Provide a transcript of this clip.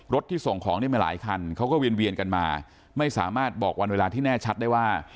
ที่ส่งของได้มาหลายคันเขาก็เวียนกันมาไม่สามารถบอกวันเวลาที่แน่ชัดได้ว่า